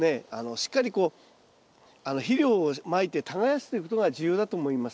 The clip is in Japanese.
しっかりこう肥料をまいて耕すということが重要だと思います。